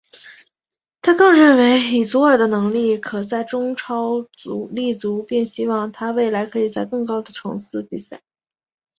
他更认为以祖尔的能力可在中超立足并希望他未来可以在更高层次的比赛效力。